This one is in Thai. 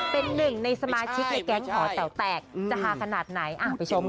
เป็นหนึ่งในสมาชิกในแก๊งหอแต๋วแตกจะฮาขนาดไหนไปชมค่ะ